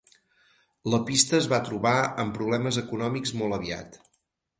La pista es va trobar amb problemes econòmics molt aviat.